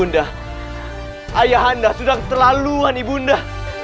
anda ayah anda sudah terlalu anibunda